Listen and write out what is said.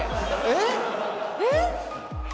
えっ？えっ？